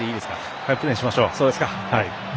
ファインプレーにしましょう。